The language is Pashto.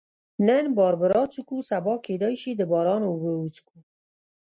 نن باربرا څښو، سبا کېدای شي د باران اوبه وڅښو.